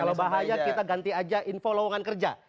kalau bahaya kita ganti aja info lowongan kerja